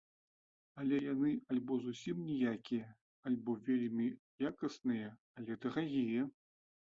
Але яны альбо зусім ніякія, альбо вельмі якасныя, але дарагія.